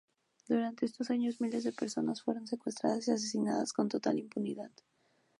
Durante estos años, miles de personas fueron secuestradas y asesinadas con total impunidad.